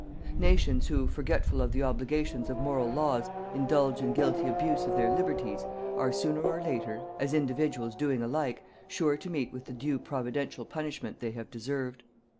Nations who, forgetful of the obligations of moral laws, indulge in guilty abuse of their liberties, are, sooner or later, as individuals doing alike, sure to meet with the due Providential punishment they have deserved.